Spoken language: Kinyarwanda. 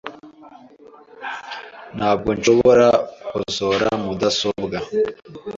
Ntabwo nshobora gukosora mudasobwa .